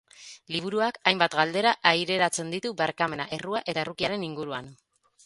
Liburuak hainbat galdera aireratzen ditu barkamena, errua eta errukiaren inguruan.